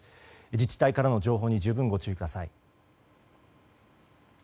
自治体からの情報に十分ご注意ください。